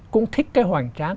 cũng thích cái hoành tráng